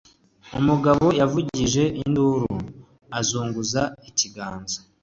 Umugabo yavugije induru, azunguza ikiganza.